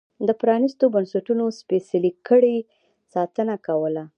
د پرانیستو بنسټونو سپېڅلې کړۍ ساتنه کوله.